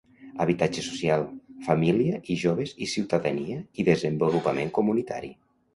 Habitatge social, família i joves i ciutadania i desenvolupament comunitari.